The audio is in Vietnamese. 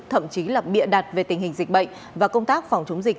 thậm chí là bịa đặt về tình hình dịch bệnh và công tác phòng chống dịch